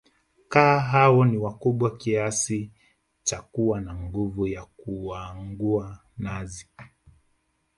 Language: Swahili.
Kaa hao ni wakubwa Kiasi cha kuwa na nguvu ya kuangua nazi